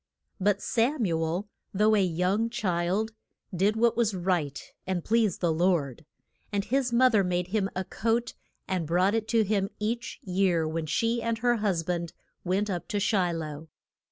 But Sam u el, though a young child, did what was right and pleased the Lord. And his moth er made him a coat, and brought it to him each year when she and her hus band went up to Shi loh.